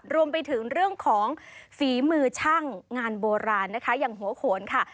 รวมไปถึงเรื่องของฝีมือช่างงานโบราณนะคะอย่างหัวโขนค่ะ